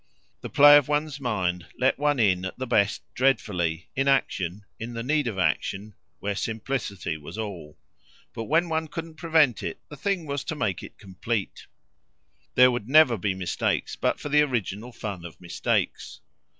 The play of one's mind gave one away, at the best, dreadfully, in action, in the need for action, where simplicity was all; but when one couldn't prevent it the thing was to make it complete. There would never be mistakes but for the original fun of mistakes.